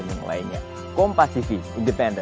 jangan lupa klik subscribe